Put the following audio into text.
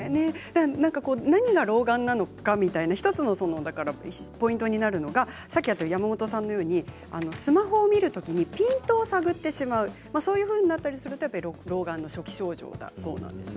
何が老眼なのかみたいな１つのポイントになるのがさっきあった山本さんのようにスマホを見るときにピントを探ってしまうそういうふうになってしまうと老眼の初期症状なんだそうです。